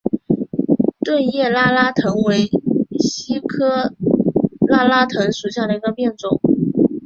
钝叶拉拉藤为茜草科拉拉藤属下的一个变种。